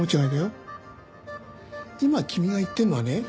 今君が言ってるのはね